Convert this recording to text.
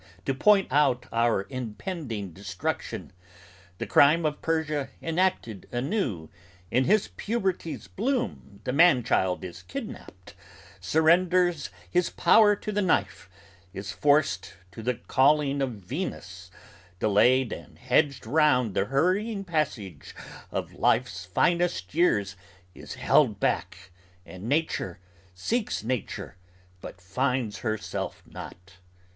To point out our impending destruction; the crime Of Persia enacted anew; in his puberty's bloom The man child is kidnapped; surrenders his powers to the knife, Is forced to the calling of Venus; delayed and hedged round The hurrying passage of life's finest years is held back And Nature seeks Nature but finds herself not.